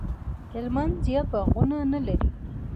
هلمند زیات باغونه نه لري